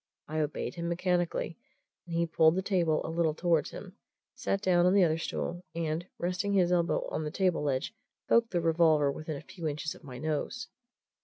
I obeyed him mechanically, and he pulled the table a little towards him, sat down on the other stool, and, resting his elbow on the table ledge, poked the revolver within a few inches of my nose.